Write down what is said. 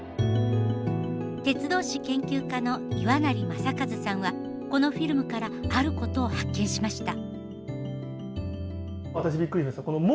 鉄道史研究家の岩成政和さんはこのフィルムからあることを発見しました。